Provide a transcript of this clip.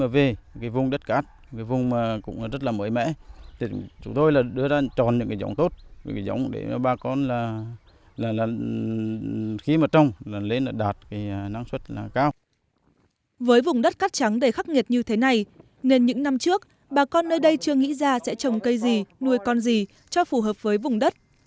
với vùng đất cát trắng đầy khắc nghiệt như thế này nên những năm trước bà con nơi đây chưa nghĩ ra sẽ trồng cây gì nuôi con gì cho phù hợp với vùng đất